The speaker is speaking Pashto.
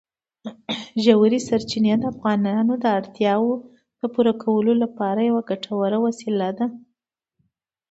ژورې سرچینې د افغانانو د اړتیاوو د پوره کولو لپاره یوه ګټوره وسیله ده.